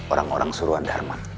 orang orang suruhan darman